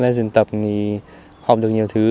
lên giường tập học được nhiều thứ